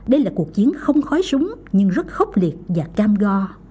đây là cuộc chiến không khói súng nhưng rất khốc liệt và cam go